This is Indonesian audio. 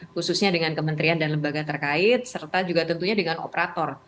khususnya dengan kementerian dan lembaga terkait serta juga tentunya dengan operator